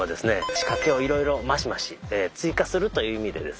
仕掛けをいろいろマシマシ追加するという意味でですね